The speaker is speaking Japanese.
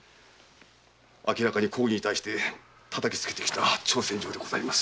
明らかに公儀に対して叩きつけてきた挑戦状です。